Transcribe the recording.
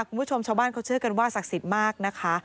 คุณผู้ชมชาวบ้านเขาเชื่อกันว่าศักดิ์สิทธิ์มากนะคะ